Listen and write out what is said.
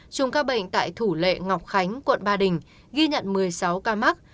chín trung ca bệnh tại thủ lệ ngọc khánh quận ba đình ghi nhận một mươi sáu ca mắc